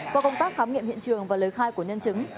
qua công tác khám nghiệm hiện trường và lời khai của nhân chứng